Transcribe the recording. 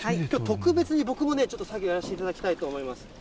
きょう、特別に僕もちょっと作業をやらせていただきたいと思います。